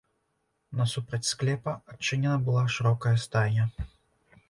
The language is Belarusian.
Насупраць склепа адчынена была шырокая стайня.